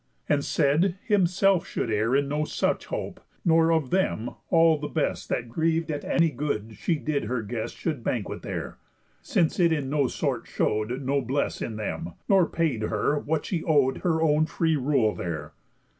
And said, himself should err In no such hope; nor of them all the best That griev'd at any good she did her guest Should banquet there; since it in no sort show'd Noblesse in them, nor paid her what she ow'd Her own free rule there.